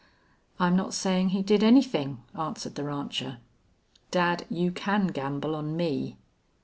"I'm not sayin' he did anythin'," answered the rancher. "Dad, you can gamble on me."